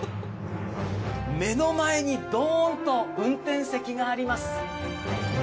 目の前にドーンと運転席があります。